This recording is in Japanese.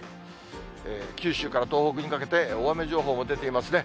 九州から東北にかけて、大雨情報が出ていますね。